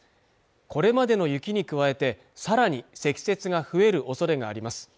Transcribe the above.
これまでの雪に加えてさらに積雪が増えるおそれがあります